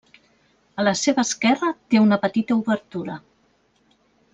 A la seva esquerra té una petita obertura.